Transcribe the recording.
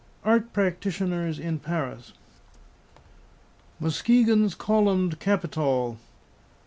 ART PRACTITIONERS IN PARIS. MUSKEGON'S COLUMNED CAPITOL.